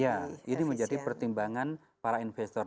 ya ini menjadi pertimbangan para investor